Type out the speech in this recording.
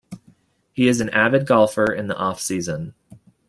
He is an avid golfer in the off season.